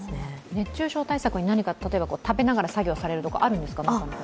熱中症対策に例えば食べながら作業するとかあるんですか？